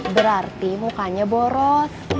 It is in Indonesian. berarti mukanya boros